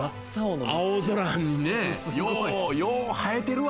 青空にね、よう映えてるわ。